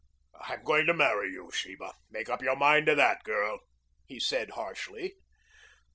"I'm going to marry you, Sheba. Make up your mind to that, girl," he said harshly.